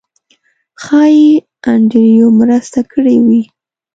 ښایي انډریو مرسته کړې وي.